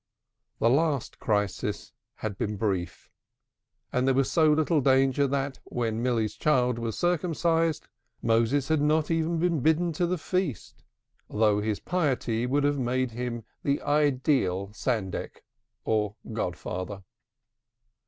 The last crisis had been brief, and there was so little danger that, when Milly's child was circumcised, Moses had not even been bidden to the feast, though his piety would have made him the ideal sandek or god father.